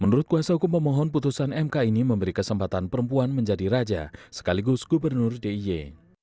menurut kuasa hukum pemohon putusan mk ini memberi kesempatan perempuan menjadi raja sekaligus gubernur d i y